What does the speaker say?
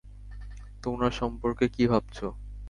তো, উনার সম্পর্কে কী ভাবছ?